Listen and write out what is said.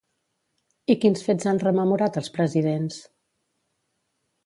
I quins fets han rememorat els presidents?